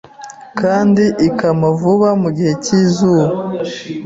kandi ikama vuba. Mugihe cyizuba